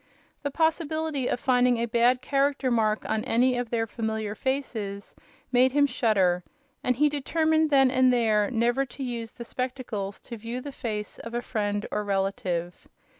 The possibility of finding a bad character mark on any of their familiar faces made him shudder, and he determined then and there never to use the spectacles to view the face of a friend or relative.